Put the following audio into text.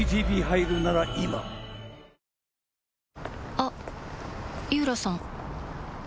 あっ井浦さん